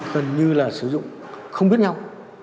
gần như là sử dụng không biết nhau